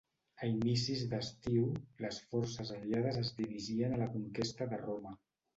A inicis d'estiu, les forces aliades es dirigien a la conquesta de Roma.